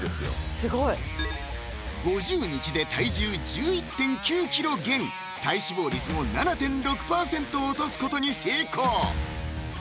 スゴい５０日で体重１１．９ｋｇ減体脂肪率も７．６％落とすことに成功！